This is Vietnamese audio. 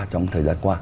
trong thời gian qua